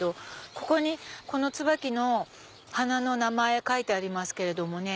ここにこのツバキの花の名前書いてありますけれども。